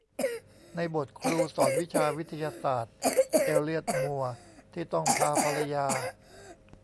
ในบทครูสอนวิชาวิทยาศาสตร์ เอลเลียต มัวร์ ที่ต้องพาภรรยา